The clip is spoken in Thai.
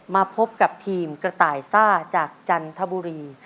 มาพบกับทีมกระต่ายซ่าจากจันทบุรี